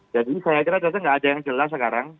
jadi saya kira ternyata gak ada yang jelas sekarang